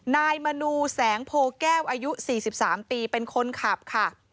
นายมนูแสงโพแก้วอายุ๔๓ปีเป็นคนขับค่ะ